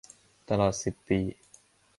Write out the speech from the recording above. ตลอดสิบปี